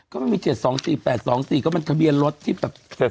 ก็มันมี๗๒๔๘๒๔ก็มันทะเบียนรถที่แบบ